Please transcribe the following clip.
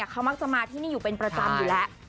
เขามักจะมาที่นี่อยู่เป็นประจำอยู่แล้ว